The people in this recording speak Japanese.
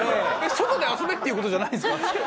外で遊べっていう事じゃないんですか？